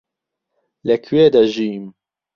لەکوێ دەژیم؟